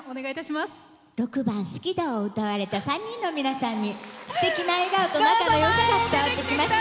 ６番「好きだ。」を歌われた３人の皆さんにすてきな笑顔と仲のよさが伝わってきました。